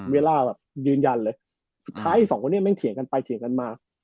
เวลาแบบยืนยันเลยสุดท้ายสองคนนี้แม่งเถียงกันไปเถียงกันมา